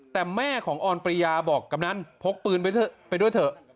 แต่แม่ของออนปริยาบอกกำนันพกปืนไปเถอะไปด้วยเถอะ